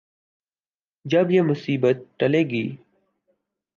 جب یہ مصیبت ٹلے گی۔